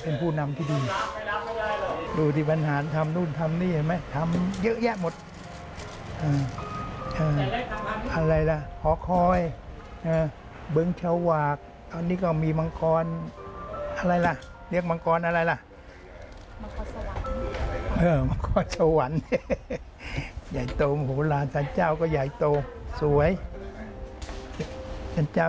เป็นเจ้าสักก่อน